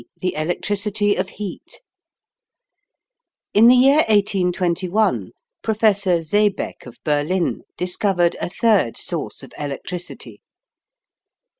THE ELECTRICITY OF HEAT. In the year 1821 Professor Seebeck, of Berlin, discovered a third source of electricity.